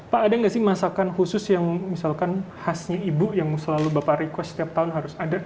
pak ada nggak sih masakan khusus yang misalkan khasnya ibu yang selalu bapak request setiap tahun harus ada